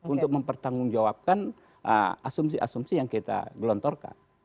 untuk mempertanggungjawabkan asumsi asumsi yang kita gelontorkan